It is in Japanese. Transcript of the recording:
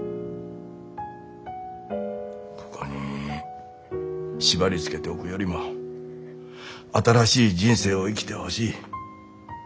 ここに縛りつけておくよりも新しい人生を生きてほしい。